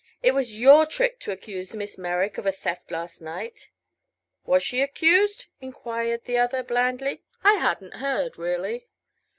"It was your trick to accuse Miss Merrick of a theft last night." "Was she accused?" enquired the other, blandly. "I hadn't heard, really."